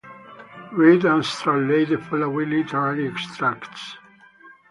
Read and translate the following literary extracts.